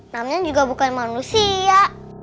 namanya juga bukan manusia